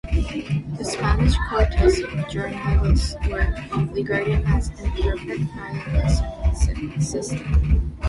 The Spanish Cortes Generales were regarded as an imperfect bicameral system.